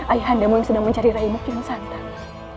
ayah nda mau mencari raimu kian santang